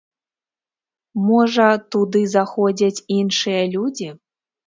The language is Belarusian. Можа, туды заходзяць іншыя людзі?